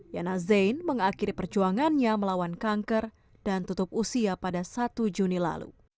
yana zain mengakhiri perjuangannya melawan kanker dan tutup usia pada satu juni lalu